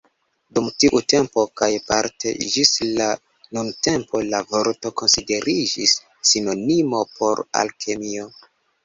Dum tiu tempo kaj parte ĝis la nuntempo, la vorto konsideriĝis sinonimo por Alkemio.